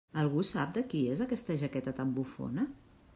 Algú sap de qui és aquesta jaqueta tan bufona?